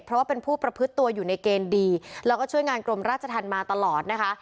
เพราะว่าเป็นผู้ประพฤติตัวอยู่ในเกณฑ์ดีแล้วก็ช่วยงานกรมราชธรรมมาตลอดนะคะ